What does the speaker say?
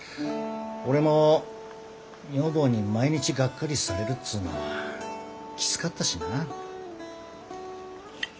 俺も女房に毎日がっかりされるっつうのはきつかったしな。